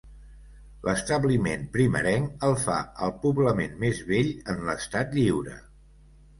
L'establiment primerenc el fa el poblament més vell en l'Estat Lliure.